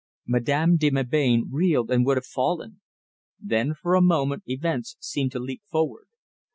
Madame de Melbain reeled and would have fallen. Then for a moment events seemed to leap forward.